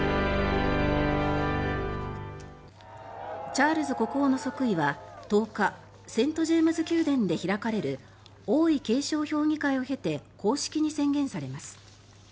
チャールズ国王の即位は１０日セント・ジェームズ宮殿で開かれる王位継承評議会を経て公式に宣言されます。